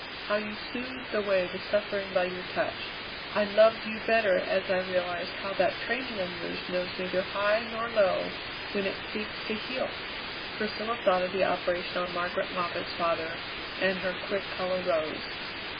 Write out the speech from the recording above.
How you soothed away the suffering by your touch. I loved you better as I realized how that training of yours knows neither high nor low when it seeks to heal." Priscilla thought of the operation on Margaret Moffatt's father, and her quick colour rose.